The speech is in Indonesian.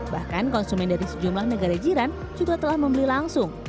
bahkan konsumen dari sejumlah negara jiran juga telah membeli langsung